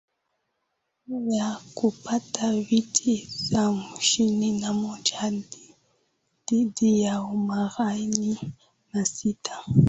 da ya kupata viti hamsini na moja dhidi ya arobaini na sita